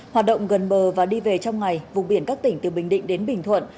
hoạt động gần bờ và đi về trong ngày vùng biển các tỉnh từ bình định đến bình thuận